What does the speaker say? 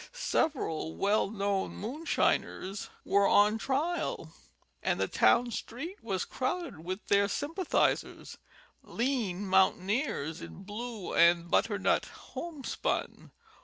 Several well known moonshiners were on trial, and the town street was crowded with their sym pathizers, lean mountaineers in blue and butternut homespun.